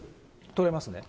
取れますね。